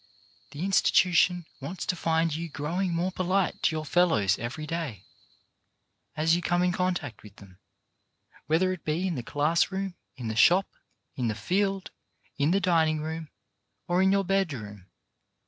The institution wants to find you growing more polite to your fellows every day, as you come in contact with them, whether it be in the class room, in the shop, in the field, in the dining room, or in your bedroom.